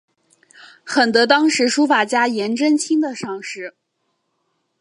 很得当时书法家颜真卿的赏识。